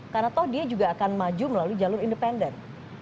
karena toh dia juga akan maju melalui jalur independen